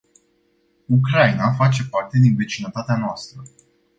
Ucraina face parte din vecinătatea noastră.